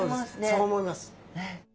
そう思います。